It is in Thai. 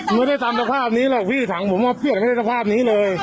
เปลี่ยนได้ตามภาพนี้ไม่ได้ตามภาพนี้หรอกพี่สั่งผมไม่ได้เปลี่ยนตามภาพนี้เลย